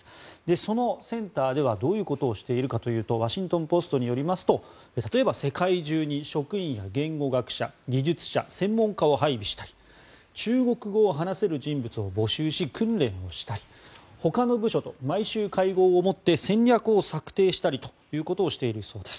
そのセンターではどういうことをしているかというとワシントン・ポストによりますと例えば世界中に職員や言語学者技術者、専門家を配備したり中国語を話せる人物を募集し訓練をしたりほかの部署と毎週会合を持って戦略を策定したりということをしているそうです。